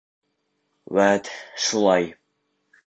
Үәт, шулай.